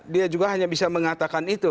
dia juga hanya bisa mengatakan itu